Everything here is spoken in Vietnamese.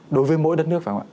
đối với mỗi đất nước phải không ạ